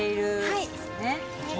はい。